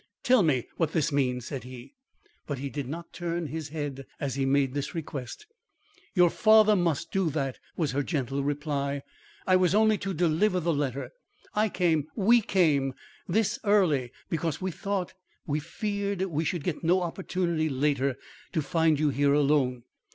"Tell me what this means," said he, but he did not turn his head as he made this request. "Your father must do that," was her gentle reply. "I was only to deliver the letter. I came we came thus early, because we thought we feared we should get no opportunity later to find you here alone.